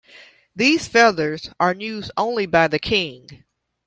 These feathers are used only by the king.